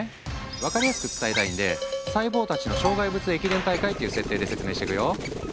分かりやすく伝えたいんで細胞たちの障害物駅伝大会っていう設定で説明していくよ。